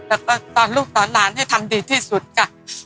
แล้วก็ตอนลูกตอนหลานให้ทำดีที่สุดค่ะ